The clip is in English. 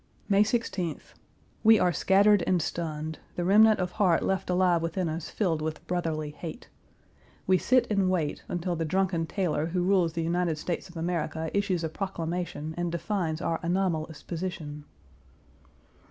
May 16th. We are scattered and stunned, the remnant of heart left alive within us filled with brotherly hate. We sit and wait until the drunken tailor who rules the United States of America issues a proclamation, and defines our anomalous position.